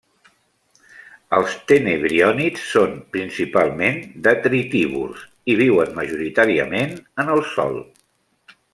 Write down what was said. Els tenebriònids són principalment detritívors i viuen majoritàriament en el sòl.